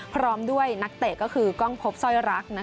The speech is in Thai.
พร้อมด้วยนักเตะก็คือกล้องพบสร้อยรัก